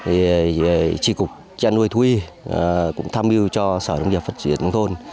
thì tri cục chăn nuôi thu y cũng tham mưu cho sở nông nghiệp phát triển nông thôn